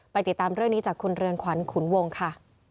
ติดตามเรื่องนี้จากคุณเรือนขวัญขุนวงค่ะ